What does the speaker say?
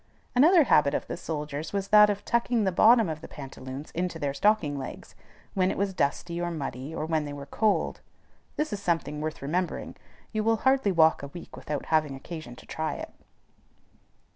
Another habit of the soldiers was that of tucking the bottom of the pantaloons into their stocking legs when it was dusty or muddy, or when they were cold. This is something worth remembering. You will hardly walk a week without having occasion to try it.